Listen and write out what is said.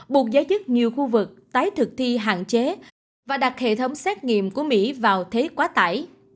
buộc giới chức nhiều khu vực tái thực thi hạn chế và đặt hệ thống xét nghiệm của mỹ vào thế quá tải